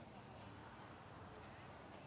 สวัสดีครับทุกคน